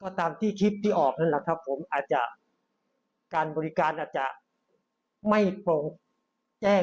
ก็ตามที่คลิปที่ออกนั่นแหละครับผมอาจจะการบริการอาจจะไม่โปร่งแจ้ง